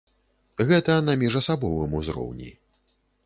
Гэта на міжасабовым узроўні.